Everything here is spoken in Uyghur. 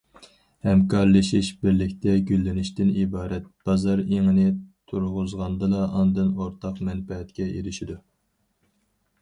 ھەمكارلىشىش، بىرلىكتە گۈللىنىشتىن ئىبارەت بازار ئېڭىنى تۇرغۇزغاندىلا ئاندىن ئورتاق مەنپەئەتكە ئېرىشىدۇ.